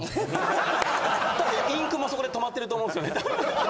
多分インクもそこで止まってると思うんですよね。